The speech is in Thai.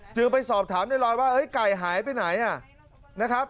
ไปสอบถามในรอยว่าไก่หายไปไหนนะครับ